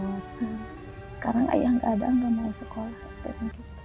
sekarang ayah gak ada gak mau sekolah